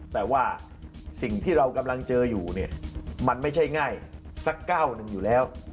แต่ว่าสิ่งที่เรากำลังเจออยู่เนี่ยมันไม่ใช่ง่ายสักก้าวหนึ่งอยู่แล้ว